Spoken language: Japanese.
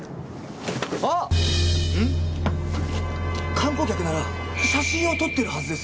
観光客なら写真を撮ってるはずです。